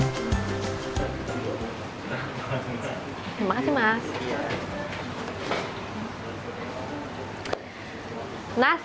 terima kasih mas